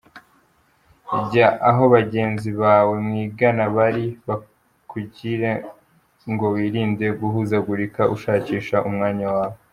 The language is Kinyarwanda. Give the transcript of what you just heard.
Jya aho bagenzi bawe mwigana bari kugira ngo wirinde guhuzagurika ushakisha umwanya wawe.